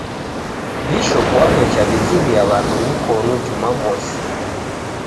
Bishop waw'echa w'ikiria w'andu mikono jumamosi.